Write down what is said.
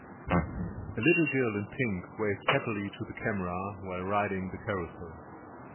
A little girl in pink waves happily to the camera while riding the carousel